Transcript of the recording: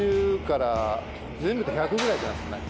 全部で１００ぐらいじゃないですかね。